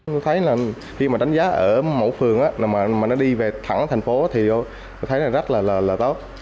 tôi thấy là khi mà đánh giá ở mỗi phường mà nó đi về thẳng thành phố thì tôi thấy là rất là tốt